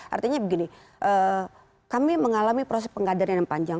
artinya begini kami mengalami proses pengadaan yang panjang